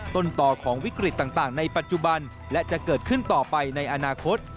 ต้นต่อของวิกฤตต่างในปัจจุบันและจะเกิดขึ้นต่อไปในอนาคต